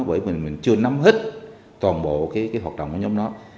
bởi mình mình chưa nắm hết toàn bộ cái hoạt động của nhóm đó